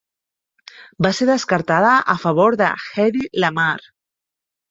Va ser descartada a favor de Hedy Lamarr.